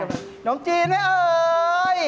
ขนมจีนนะเอ๋ย